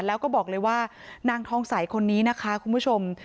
แล้วก็บอกเลยว่านางทองใสคนนี้นะคะคุณผู้ชม